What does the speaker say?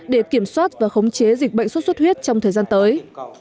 để kiểm soát và khống chế dịch bệnh xuất xuất huyết trong thời gian tới